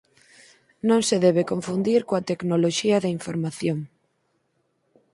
Non se debe confundir coa tecnoloxía da información.